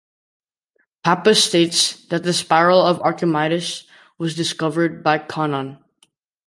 Pappus states that the spiral of Archimedes was discovered by Conon.